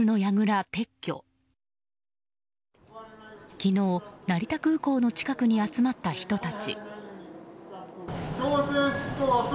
昨日、成田空港の近くに集まった人たち。